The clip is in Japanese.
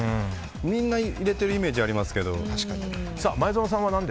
みんな入れてるイメージありますけど。